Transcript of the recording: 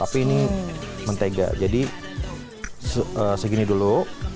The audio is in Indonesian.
tapi ini mentega jadi segini dulu